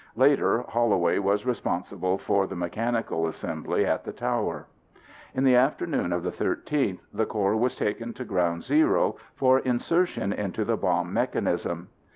Later Holloway was responsible for the mechanical assembly at the tower. In the afternoon of the 13th the core was taken to ground zero for insertion into the bomb mechanism.